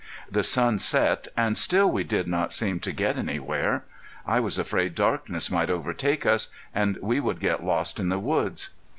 The sun set, and still we did not seem to get anywhere. I was afraid darkness would overtake us, and we would get lost in the woods.